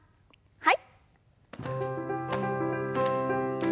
はい。